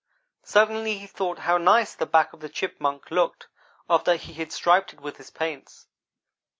Suddenly he thought how nice the back of the Chipmunk looked after he had striped it with his paints.